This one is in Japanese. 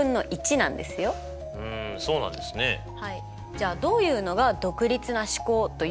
じゃあどういうのが「独立な試行」と言うのか